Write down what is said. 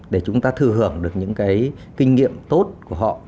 để chúng ta thừa hưởng được những cái kinh nghiệm tốt của họ